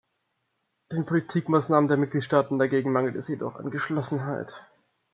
Den Politikmaßnahmen der Mitgliedstaaten dagegen mangelt es jedoch an Geschlossenheit.